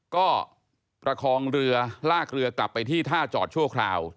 ก็ประคองเรือลากเรือกลับไปที่ท่าจอดชั่วคราว